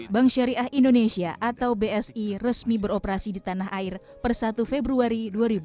bank syariah indonesia atau bsi resmi beroperasi di tanah air per satu februari dua ribu dua puluh